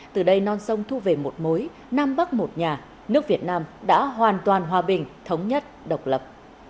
từ đây non sông thu về một mối nam bắc một nhà nước việt nam đã hoàn toàn hòa bình thống nhất độc lập